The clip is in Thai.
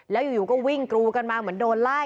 แล้วอยู่ก็วิ่งกรูกันมาเหมือนโดนไล่